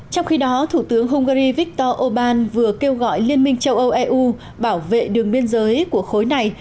trong khi đó thủ tướng hungary viktor orbán vừa kêu gọi liên minh châu âu eu bảo vệ đường biên giới của khối này